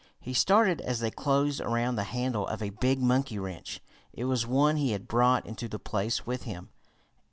He started as they closed around the handle of a big monkey wrench. It was one he had brought into the place with him.